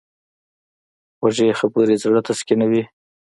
خوږې خبرې زړه تسکینوي.